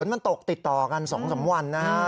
เหมือนมันตกติดต่อกัน๒๓วันนะครับ